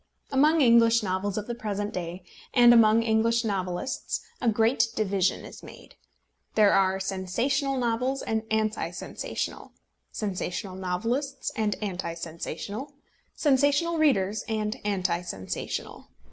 Among English novels of the present day, and among English novelists, a great division is made. There are sensational novels and anti sensational, sensational novelists and anti sensational, sensational readers and anti sensational.